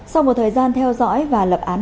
sau một thời gian theo dõi và lập án